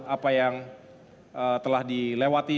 apa yang telah dilewati